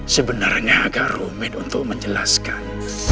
sebenarnya agak rumit untuk menjelaskan